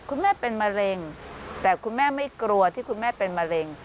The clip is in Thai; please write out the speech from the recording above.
คุณแม่เป็นมะเร็งแต่คุณแม่ไม่กลัวที่คุณแม่เป็นมะเร็ง